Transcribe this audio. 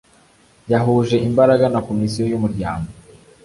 yahuje imbaraga na Komisiyo y’Umuryango